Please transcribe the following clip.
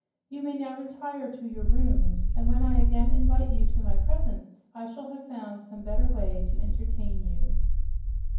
You may now retire to your rooms, and when I again invite you to my presence, I shall have found some better ways to entertain you."